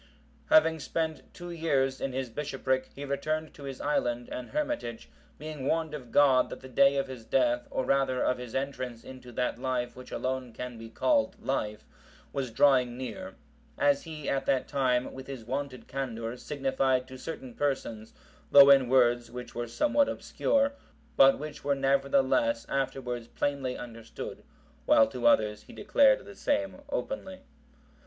] Having spent two years in his bishopric, he returned to his island and hermitage,(756) being warned of God that the day of his death, or rather of his entrance into that life which alone can be called life, was drawing near; as he, at that time, with his wonted candour, signified to certain persons, though in words which were somewhat obscure, but which were nevertheless afterwards plainly understood; while to others he declared the same openly.